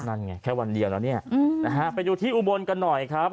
นั่นไงแค่วันเดียวแล้วเนี่ยนะฮะไปดูที่อุบลกันหน่อยครับ